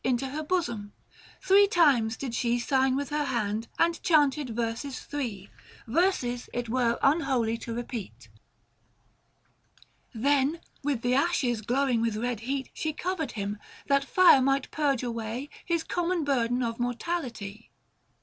123 Into her bosom — him three times did she Sign with her hand, and chanted verses three — Verses it were unholy to repeat — Then, with the ashes glowing with red heat She covered him, that fire might purge away 625 His common burden of mortality.